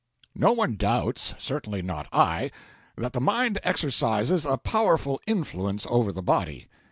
V No one doubts certainly not I that the mind exercises a powerful influence over the body.